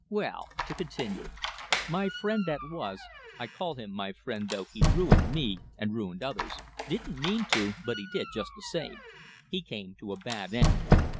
Well, to continue. My friend that was I call him my friend, though he ruined me and ruined others, didn't mean to, but he did just the same, he came to a bad end.